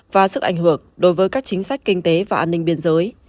và sức ảnh hưởng đối với các chính sách kinh tế và an ninh biên giới